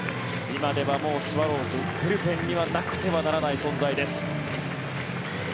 今ではスワローズブルペンにはなくてはならない存在です。